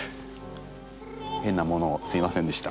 変なものをすいませんでした。